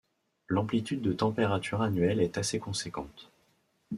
L'amplitude de température annuelle est assez conséquente.